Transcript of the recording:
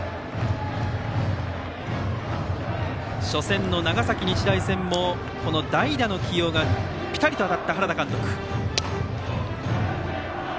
初戦の長崎日大戦も代打の起用がピタリと当たった原田監督。